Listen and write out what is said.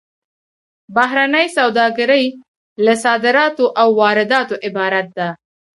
بهرنۍ سوداګري له صادراتو او وارداتو عبارت ده